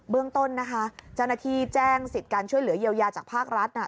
เรื่องต้นนะคะเจ้าหน้าที่แจ้งสิทธิ์การช่วยเหลือเยียวยาจากภาครัฐ